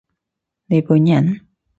你本人？